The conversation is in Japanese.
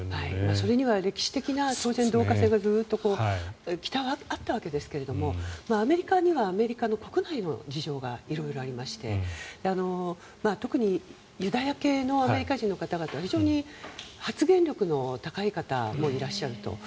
それには歴史的な導火線がずっとあったわけですがアメリカにはアメリカ国内の事情が色々ありまして特にユダヤ系のアメリカ人の方々は非常に発言力の高い方もいらっしゃると。